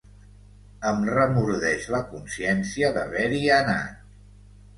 Em remordeix la consciència d'haver-hi anat.